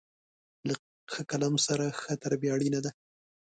له ښه قلم سره، ښه تربیه اړینه ده.